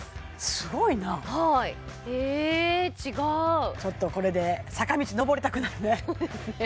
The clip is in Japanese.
すごいなはいえ違うちょっとこれで坂道上りたくなるね